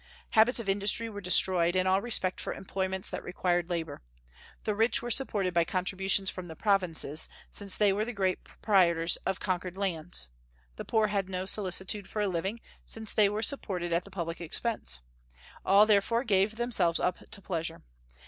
Habits of industry were destroyed, and all respect for employments that required labor. The rich were supported by contributions from the provinces, since they were the great proprietors of conquered lands; the poor had no solicitude for a living, since they were supported at the public expense. All therefore gave themselves up to pleasure.